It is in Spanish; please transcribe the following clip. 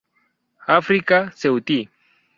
África Ceutí.